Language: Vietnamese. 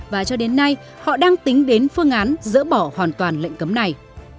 và cho đến nay họ đang tính đến phương án dỡ bỏ hoàn toàn lệnh cấm này